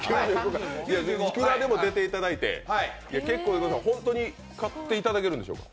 いくらでも出ていただいて結構ですけど本当に買っていただけるんですか？